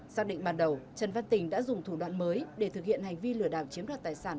xác định ban đầu trần văn tình đã dùng thủ đoạn mới để thực hiện hành vi lừa đảo chiếm đoạt tài sản